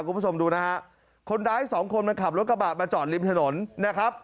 คุณผู้ชมดูนะฮะคนร้ายสองคนมันขับรถกระบะมาจอดริมถนนนะครับ